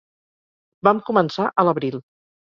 Vam començar a l'abril.